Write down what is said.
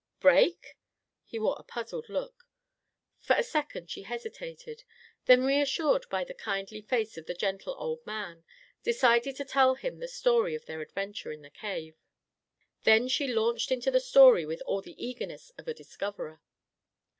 "Break?" He wore a puzzled look. For a second she hesitated; then, reassured by the kindly face of the gentle old man, decided to tell him the story of their adventure in the cave. Then she launched into the story with all the eagerness of a discoverer.